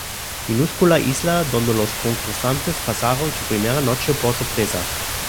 Minúscula isla donde los concursantes pasaron su primera noche por sorpresa.